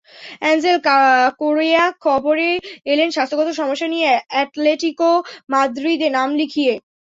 Angel Correa খবরে এলেন স্বাস্থ্যগত সমস্যা নিয়ে অ্যাটলেটিকো মাদ্রিদে নাম লিখিয়ে।